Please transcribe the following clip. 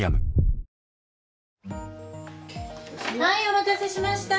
お待たせしました。